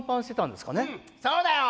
そうだよ。